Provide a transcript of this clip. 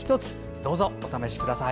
どうぞお試しください。